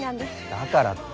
だからって。